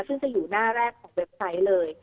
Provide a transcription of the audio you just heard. ซึ่งจะอยู่หน้าแรกของเว็บไซต์เลย